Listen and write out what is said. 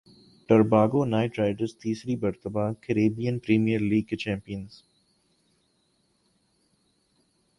Trinbago Knight Riders تیسری مرتبہ Caribbean Premier League کی چیمپیئن